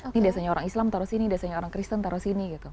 ini desanya orang islam taruh sini desanya orang kristen taruh sini